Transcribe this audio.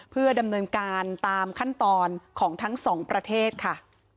เพื่อดำเนินการตามขั้นตอนของทั้งสองประเทศค่ะ